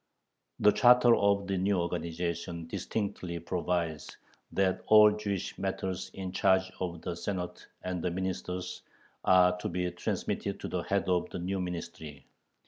The charter of the new organization distinctly provides that all "Jewish matters in charge of the Senate and the Ministers" are to be transmitted to the head of the new Ministry.